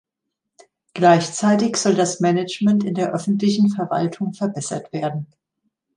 Gleichzeitig soll das Management in der öffentlichen Verwaltung verbessert werden.